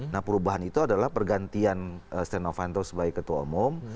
nah perubahan itu adalah pergantian setia novanto sebagai ketua umum